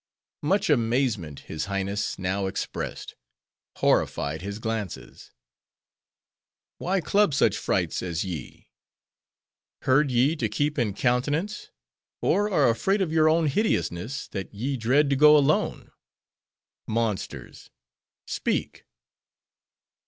Much amazement His Highness now expressed; horrified his glances. "Why club such frights as ye? Herd ye, to keep in countenance; or are afraid of your own hideousness, that ye dread to go alone? Monsters! speak."